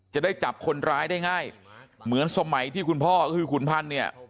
จะได้จับคนร้ายได้ง่ายเหมือนสมัยที่คุณพ่อก็คือขุนพันธ์เนี่ย